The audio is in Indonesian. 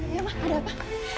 iya mak ada apa